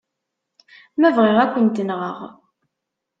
Ma bɣiɣ, ad kent-nɣen.